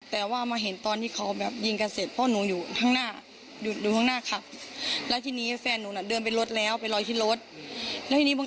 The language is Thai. เต็มเอ้ยฟื้อนหมาก็มายิง